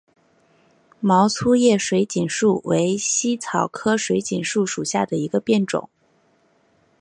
毛粗叶水锦树为茜草科水锦树属下的一个变种。